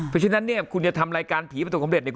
เพราะฉะนั้นเนี่ยคุณจะทำรายการผีประสบความเร็เนี่ย